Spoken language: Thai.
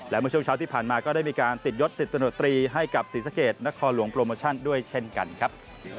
และเมื่อช่วงเช้าที่ผ่านมาก็ได้มีการติดยศ๑๐ตำรวจตรีให้กับศรีสะเกดนครหลวงโปรโมชั่นด้วยเช่นกันครับ